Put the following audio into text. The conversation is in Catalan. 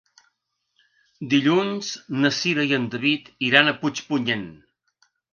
Dilluns na Cira i en David iran a Puigpunyent.